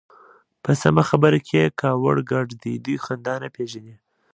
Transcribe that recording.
په سمه خبره کې يې کاوړ ګډ دی. دوی خندا نه پېژني.